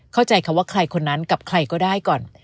เข้าใจคำว่าใครคนนั้นกับใครก็ได้ก่อน